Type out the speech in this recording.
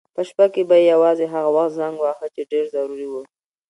په شپه کې به یې یوازې هغه وخت زنګ واهه چې ډېر ضروري و.